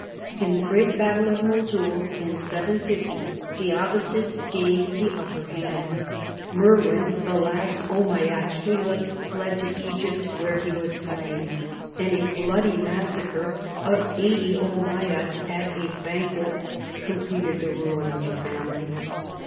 In the great battle of Mosul (750), the Ab basides gained the upper hand ; Merwan the last Ommayad caliph fled to Egj^pt, where he was slain, and a bloody massacre of eighty Ommayads at a banquet completed the ruin of the family.